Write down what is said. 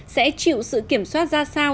sẽ chịu sự kiểm soát ra sao